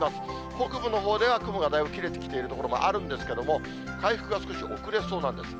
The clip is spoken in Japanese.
北部のほうでは雲がだいぶ切れてきている所もあるんですけれども、回復が少し遅れそうなんです。